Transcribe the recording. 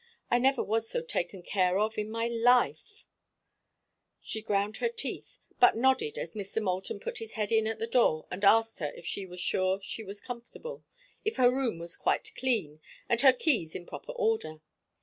I never was so taken care of in my life—" She ground her teeth, but nodded as Mr. Moulton put his head in at the door and asked her if she were sure she was comfortable, if her room was quite clean and her keys in proper order.